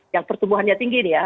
yang pertumbuhannya tinggi nih ya